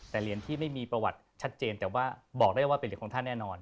แต่เหรียญที่ไม่มีประวัติชัดเจนแต่ว่าบอกได้ว่าเป็นเหรียญของท่านแน่นอน